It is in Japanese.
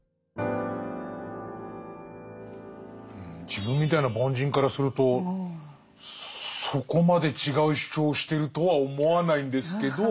自分みたいな凡人からするとそこまで違う主張をしてるとは思わないんですけど。